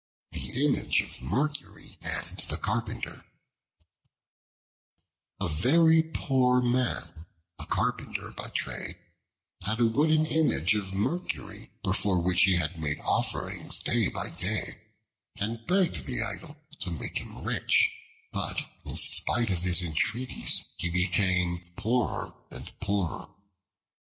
The Image of Mercury and the Carpenter A VERY POOR MAN, a Carpenter by trade, had a wooden image of Mercury, before which he made offerings day by day, and begged the idol to make him rich, but in spite of his entreaties he became poorer and poorer.